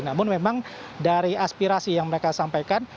namun memang dari aspirasi yang mereka sampaikan